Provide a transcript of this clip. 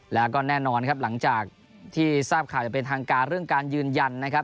แล้วก็แน่นอนครับหลังจากที่ทราบข่าวจะเป็นทางการเรื่องการยืนยันนะครับ